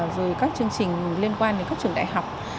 rồi các chương trình liên quan đến các trường đại học